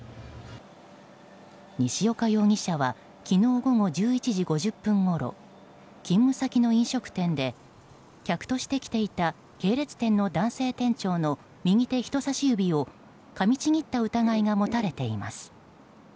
西岡容疑者は昨日午後１１時５０分ごろ勤務先の飲食店で客として来ていた系列店の男性店長の右手人差し指をかみちぎった疑いが持たれています。